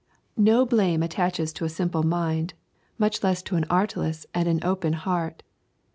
No blame attaches to a simple mind, much less to an artless and an open heart.